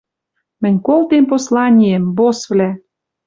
Мӹнь колтем посланием, боссвлӓ!